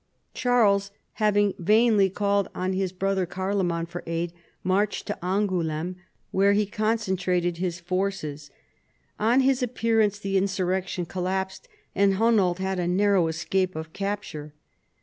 Charles, having vainly called on his brother Carlo man for aid, marched to Angouleme, where he con centrated his forces. On his appearance the insur rection collapsed and Hunold had a narrow escape of capture.